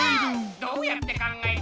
どうやって考えた？